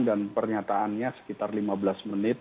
dan penyataannya sekitar lima belas menit